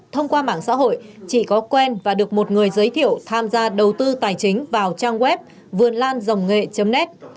thông qua mảng xã hội chị có quen và được một người giới thiệu tham gia đầu tư tài chính vào trang web vườnlan ngh net